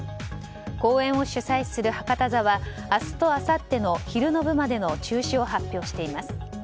公演を主催する博多座は明日とあさっての昼の部までの中止を発表しています。